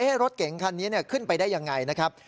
เอ๊ะรถเก่งคันนี้เนี่ยขึ้นไปได้ยังไงนะครับ